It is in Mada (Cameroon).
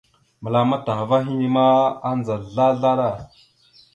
Məlam atah ava henne ma, adza slaslaɗa.